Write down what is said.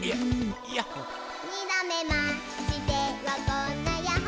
「２どめましてはこんなやっほ」